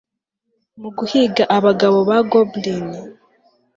Mu guhiga abagabo ba goblin